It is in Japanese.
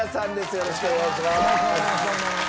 よろしくお願いします。